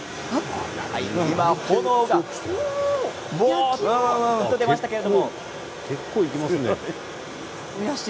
今、炎が出ましたけれども。